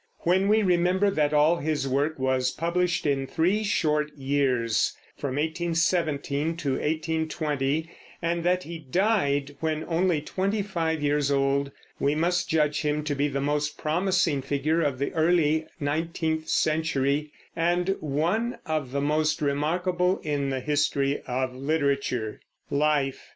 When we remember that all his work was published in three short years, from 1817 to 1820, and that he died when only twenty five years old, we must judge him to be the most promising figure of the early nineteenth century, and one of the most remarkable in the history of literature. LIFE.